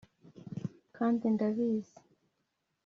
kandi ndabizi